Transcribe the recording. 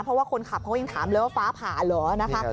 เพราะว่าคนขับเขาก็ยังถามแล้วว่าฟ้าผ่านเหรอ